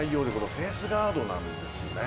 フェースガードなんです。